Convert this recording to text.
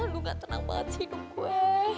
gue gak tenang banget sih gue